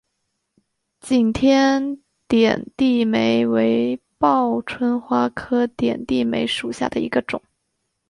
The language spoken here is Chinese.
景天点地梅为报春花科点地梅属下的一个种。